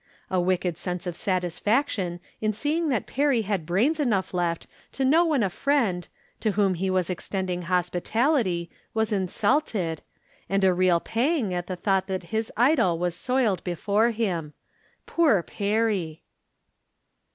A wicked sense of satisfaction in seeing that Perry had brains enough left to know when a friend, to whom he was extending hospitality, was insidted, and a real pang at the thought that his idol was soiled before him. Poor Perry